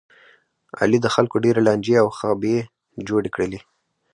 علي د خلکو ډېرې لانجې او خبې جوړې کړلې.